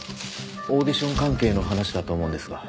オーディション関係の話だと思うんですが。